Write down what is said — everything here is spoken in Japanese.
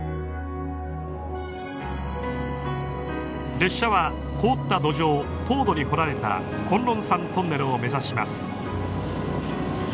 列車は凍った土壌凍土に掘られた崑崙山トンネルを目指します。